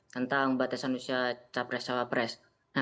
tentang batasan usia cawapres